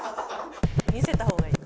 見せた方がいい。